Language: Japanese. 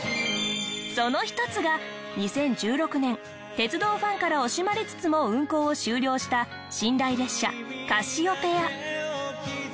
その一つが２０１６年鉄道ファンから惜しまれつつも運行を終了した寝台列車カシオペア。